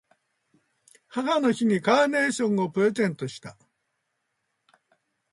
母の日にカーネーションをプレゼントした。